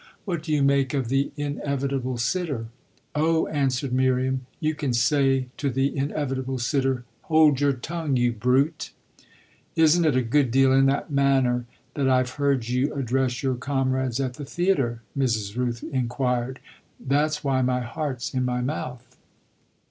What do you make of the inevitable sitter?" "Oh," answered Miriam, "you can say to the inevitable sitter, 'Hold your tongue, you brute!'" "Isn't it a good deal in that manner that I've heard you address your comrades at the theatre?" Mrs. Rooth inquired. "That's why my heart's in my mouth."